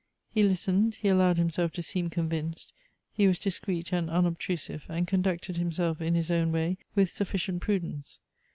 He listened, he allowed himself to seem convinced ; he was disci'eot and unobtrusive, and conducted himself in his own way with sufficient prudence.